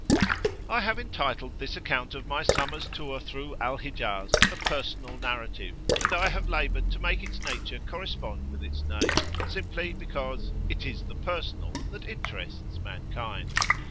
I have entitled this account of my summer's tour through Al Hijaz, a Personal Narrative, and I have laboured to make its nature correspond with its name, simply because "it is the personal that interests mankind."